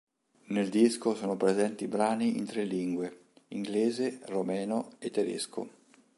Nel disco sono presenti brani in tre lingue: inglese, romeno e tedesco.